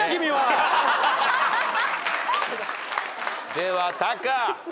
ではタカ。